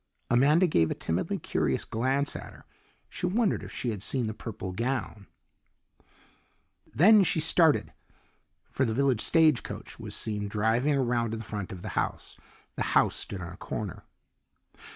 Amanda gave a timidly curious glance at her; she wondered if she had seen the purple gown. Then she started, for the village stagecoach was seen driving around to the front of the house. The house stood on a corner.